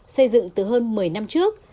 xây dựng từ hơn một mươi năm trước